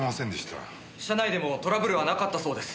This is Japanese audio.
社内でもトラブルはなかったそうです。